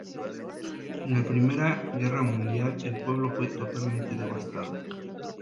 En la Primera Guerra Mundial el pueblo fue totalmente devastado.